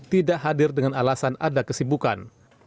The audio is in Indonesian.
tidak hadir dengan alasan ada kesibukan